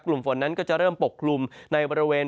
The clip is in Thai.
กลุ่มฝนนั้นก็จะเริ่มปกคลุมในบริเวณ